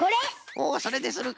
おおそれでするか。